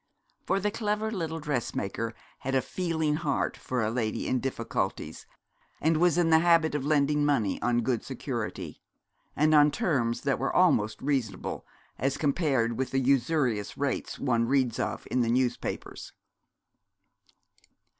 For the clever little dressmaker had a feeling heart for a lady in difficulties, and was in the habit of lending money on good security, and on terms that were almost reasonable as compared with the usurious rates one reads of in the newspapers.